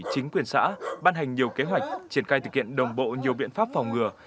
chính quyền xã ban hành nhiều kế hoạch triển khai thực hiện đồng bộ nhiều biện pháp phòng ngừa